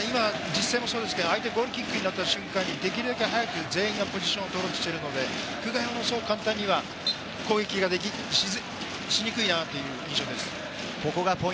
実践もそうですけれど、相手のゴールキックになった瞬間、できるだけ早く全員がポジションを取ろうとしてるので久我山も攻撃がしにくいなという印象です。